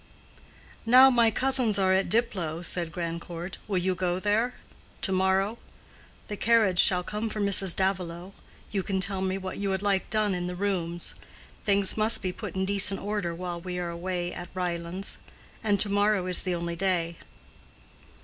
"Now my cousins are at Diplow," said Grandcourt, "will you go there?—to morrow? The carriage shall come for Mrs. Davilow. You can tell me what you would like done in the rooms. Things must be put in decent order while we are away at Ryelands. And to morrow is the only day."